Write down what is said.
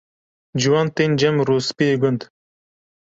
Ciwan tên cem rûspiyê gund.